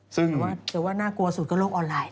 แต่ว่าน่ากลัวสุดก็โลกออนไลน